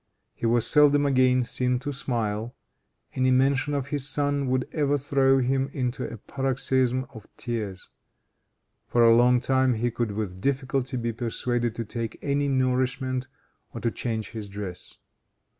He was seldom again seen to smile. Any mention of his son would ever throw him into a paroxysm of tears. For a long time he could with difficulty be persuaded to take any nourishment or to change his dress.